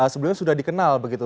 sebelumnya sudah dikenal begitu